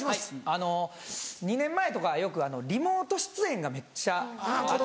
あの２年前とかよくリモート出演がめっちゃあって。